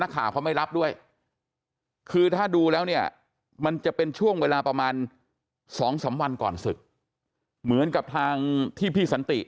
ข่าวเขาไม่รับด้วยคือถ้าดูแล้วเนี่ยมันจะเป็นช่วงเวลาประมาณ๒๓วันก่อนศึกเหมือนกับทางที่พี่สันติ